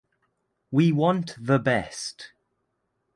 We want the best.